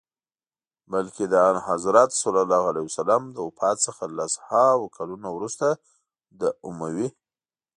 بلکه د آنحضرت ص له وفات څخه لس هاوو کلونه وروسته د اموي.